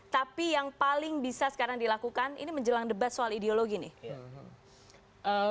tapi yang paling bisa sekarang dilakukan ini menjelang debat soal ideologi nih